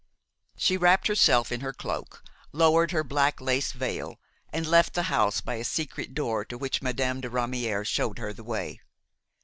She wrapped herself in her cloak, lowered her black lace veil and left the house by a secret door to which Madame de Ramière showed her the way.